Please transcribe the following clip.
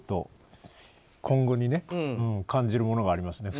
今後に感じるものがあります。